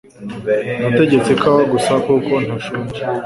Nategetse ikawa gusa, kuko ntashonje.